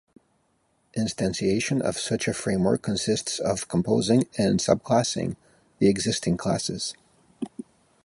Instantiation of such a framework consists of composing and subclassing the existing classes.